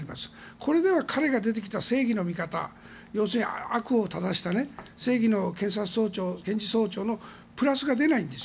これでは彼が出てきた正義の味方要するに悪を正した正義の検事総長のプラスが出ないんです。